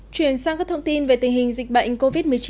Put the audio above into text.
chuyển sang các thông tin về tình hình dịch bệnh covid một mươi chín